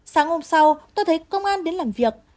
sáng hôm sau tôi thấy công an đến làm việc